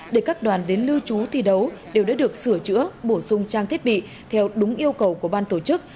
để các đoàn đến lưu trú thi đấu đều đã được sửa chữa bổ sung trang thiết bị theo đúng yêu cầu của ban tổ chức